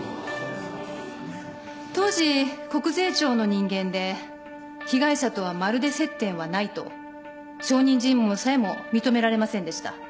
当時国税庁の人間で被害者とはまるで接点はないと証人尋問さえも認められませんでした。